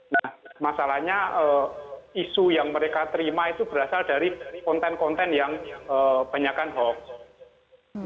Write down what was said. nah masalahnya isu yang mereka terima itu berasal dari konten konten yang banyakan hoax